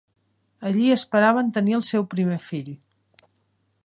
Allí esperaven tenir al seu primer fill.